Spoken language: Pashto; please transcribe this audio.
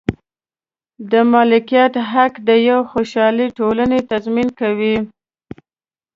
د مالکیت حق د یوې خوشحالې ټولنې تضمین کوي.